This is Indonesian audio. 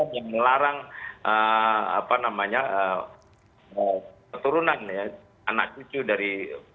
yang melarang keturunan anak cucu dari